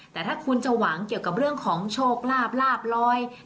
แต่ถ้าคุณจะหวังเกี่ยวกับเรื่องของโชคลาบลาบลอย